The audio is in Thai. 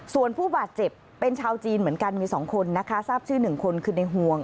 ส่วนผู้บาดเจ็บเป็นชาวจีนเหมือนกันมี๒คนนะคะทราบชื่อ๑คนคือในห่วง